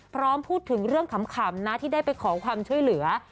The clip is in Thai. พร้อมพูดถึงเรื่องขำนะที่ได้ไปขอความช่วยเหลือ